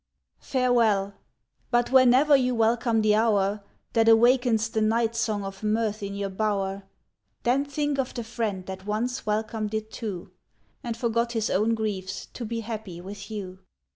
Farewell! but whenever you welcome the hour That awakens the night song of mirth in your bower. Then think of the friend that once welcomed it too. And forgot his own griefs, to be happy with you.